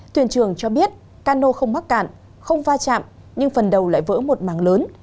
tuyển trường cho biết cano không mắc cạn không va chạm nhưng phần đầu lại vỡ một màng lớn